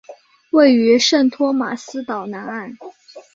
位于圣托马斯岛南岸。